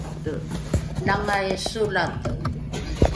langai solate